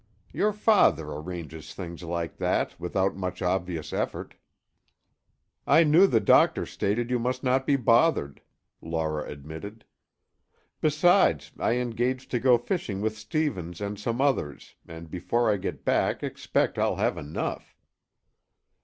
Your father arranges things like that, without much obvious effort." "I knew the doctor stated you must not be bothered," Laura admitted. "Besides, I engaged to go fishing with Stevens and some others, and before I get back expect I'll have enough."